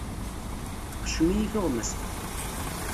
Tqeccem-iyi tuɣmest.